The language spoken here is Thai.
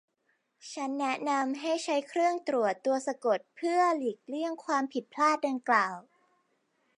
ฉันแนะนำให้ใช้เครื่องตรวจตัวสะกดเพื่อหลีกเลี่ยงความผิดพลาดดังกล่าว